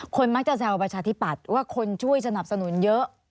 มักจะแซวประชาธิปัตย์ว่าคนช่วยสนับสนุนเยอะ